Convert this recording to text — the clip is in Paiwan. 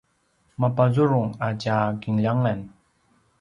mapazurung a tja kinljangan